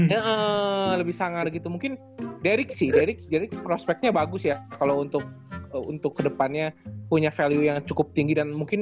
ya lebih sangar gitu mungkin derick sih derick prospeknya bagus ya kalo untuk kedepannya punya value yang cukup tinggi dan mungkin